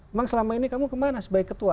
emang selama ini kamu kemana sebagai ketua